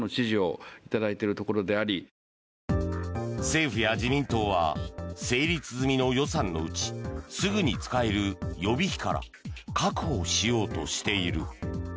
政府や自民党は成立済みの予算のうちすぐに使える予備費から確保しようとしている。